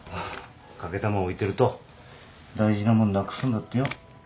欠けたもん置いてると大事なもんなくすんだってよ。